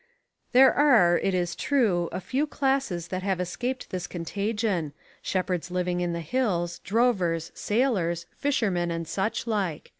There are, it is true, a few classes that have escaped this contagion, shepherds living in the hills, drovers, sailors, fishermen and such like.